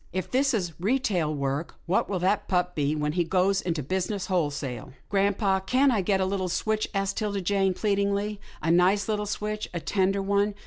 If this is retail work, what will that pup be when he goes into business wholesale? "" Grampa, can't I get a little switch," asked 'Tilda Jane pleadingly, " a nice little switch — a tender one?